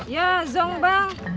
ya zonk bang